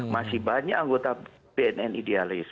masih banyak anggota bnn idealis